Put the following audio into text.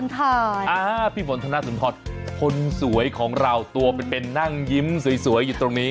พี่ฝนธนสุนทรคนสวยของเราตัวเป็นนั่งยิ้มสวยอยู่ตรงนี้